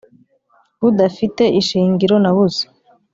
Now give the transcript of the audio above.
budafite ishingiro na busa